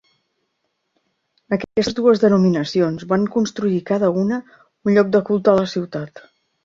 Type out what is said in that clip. Aquestes dues denominacions van construir cada una un lloc de culte a la ciutat.